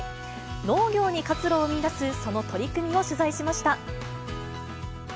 農業に活路を見いだす、その取り組みを取材しました。